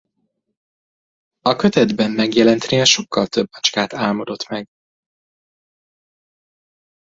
A kötetben megjelentnél sokkal több macskát álmodott meg.